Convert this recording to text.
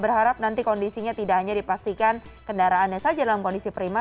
berharap nanti kondisinya tidak hanya dipastikan kendaraannya saja dalam kondisi prima